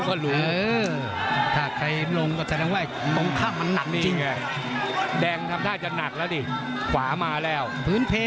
ออกอาวุธหนักของพี่ไม่เหงื่อ